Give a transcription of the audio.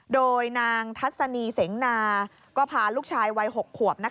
โดยนางทัศนีเสงนาก็พาลูกชายวัย๖ขวบ